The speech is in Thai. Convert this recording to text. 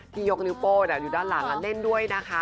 พี่โยกณิโว้อยู่ด้านหลังเล่นด้วยนะคะ